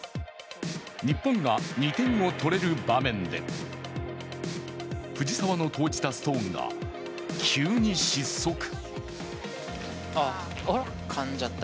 日本が２点を取れる場面で藤澤の投じたストーンが急に失速。